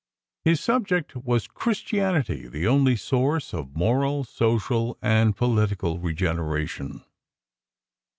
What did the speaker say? His subject was: "Christianity, the Only Source of Moral, Social and Political Regeneration."